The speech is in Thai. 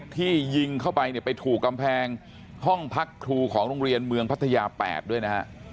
ที่ยิงเข้าไปเนี่ยไปถูกกำแพงห้องพักครูของโรงเรียนเมืองพัทยา๘ด้วยนะฮะ